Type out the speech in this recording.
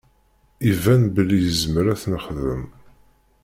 Iban belli izmer ad t-nexdem.